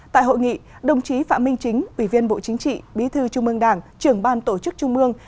tại hội nghị đồng chí phạm minh chính ủy viên bộ chính trị bí thư trung ương đảng trưởng ban tổ chức trung mương